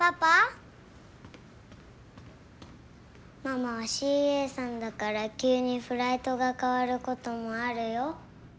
ママはＣＡさんだから急にフライトが変わる事もあるよ。